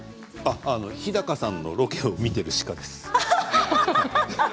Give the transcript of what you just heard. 日高さんのロケを見ている鹿です。